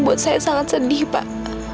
buat saya sangat sedih pak